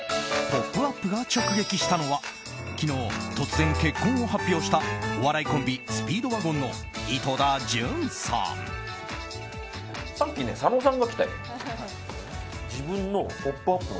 「ポップＵＰ！」が直撃したのは昨日突然、結婚を発表したお笑いコンビスピードワゴンの井戸田潤さん。